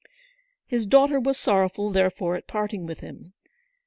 His daughter was sorrowful therefore at part ing with him.